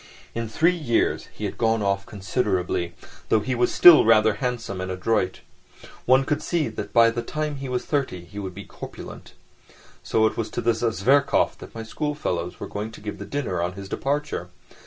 In three years he had gone off considerably, though he was still rather handsome and adroit. One could see that by the time he was thirty he would be corpulent. So it was to this Zverkov that my schoolfellows were going to give a dinner on his departure.